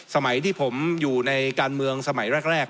สมัยที่ผมอยู่ในการเมืองสมัยแรก